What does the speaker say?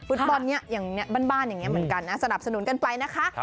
ฟุตบอลบ้านอย่างนี้เหมือนกันนะสนับสนุนกันไปนะคะ